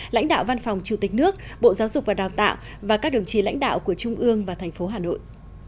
lãnh đạo văn phòng chủ tịch nước bộ giáo dục và đào tạo và các đồng chí lãnh đạo của trung ương và thành phố hà nội